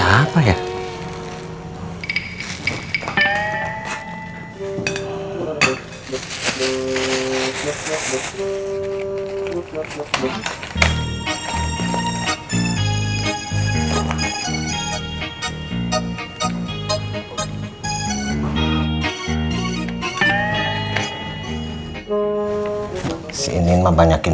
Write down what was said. sampai jumpa lagi